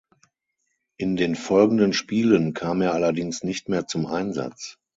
In den folgenden Spielen kam er allerdings nicht mehr zum Einsatz.